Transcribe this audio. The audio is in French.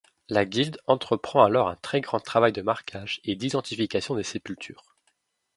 La guilde entreprend alors un très grand travail de marquage et d'identification des sépultures.